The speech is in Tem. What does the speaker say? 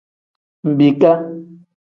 Mbiika.